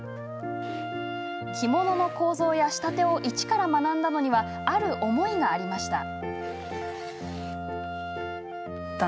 着物の構造や仕立てを一から学んだのにはある思いがありました。